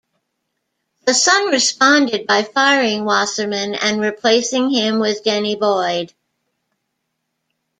The Sun responded by firing Wasserman, and replacing him with Denny Boyd.